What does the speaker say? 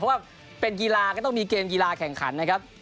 เพราะว่าเป็นกีฬาก็ต้องมีเกมกีฬาแข่งขันนะครับ